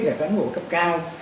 là cán bộ cấp cao